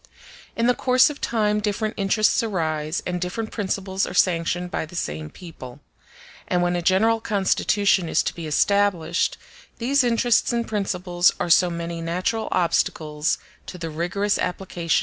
In the course of time different interests arise, and different principles are sanctioned by the same people; and when a general constitution is to be established, these interests and principles are so many natural obstacles to the rigorous application of any political system, with all its consequences.